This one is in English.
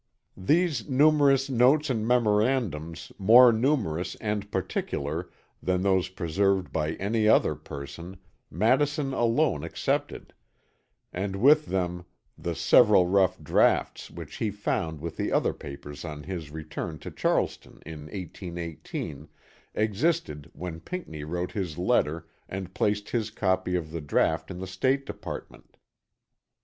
These "numerous notes and memorandums, more numerous and particular" than those preserved by any other person, Madison "alone" excepted, and with them the "several rough draughts," which he found with the other papers on his return to Charleston in 1818, existed when Pinckney wrote his letter and placed his copy of the draught in the State Department.